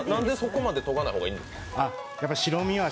なんでそこまで、とがない方がいいんですか？